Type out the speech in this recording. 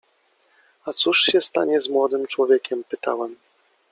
„A cóż się stanie z młodym człowiekiem?” — pytałem.